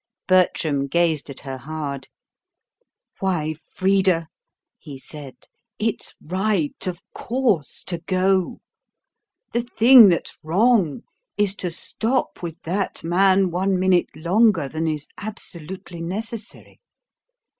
Bertram gazed at her hard. "Why, Frida," he said, "it's right, of course, to go. The thing that's WRONG is to stop with that man one minute longer than's absolutely necessary.